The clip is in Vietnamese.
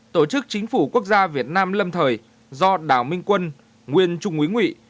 tổ chức chính phủ quốc gia việt nam lâm thời do đảo minh quân nguyên trung quý nguyện